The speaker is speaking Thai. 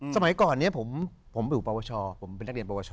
สมัยก่อนนี้ผมอยู่ปวชผมเป็นนักเรียนปวช